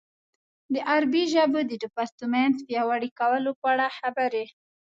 د عربي ژبې د ډیپارټمنټ پیاوړي کولو په اړه خبرې.